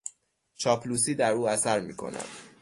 چاپلوسی در او اثر میکند.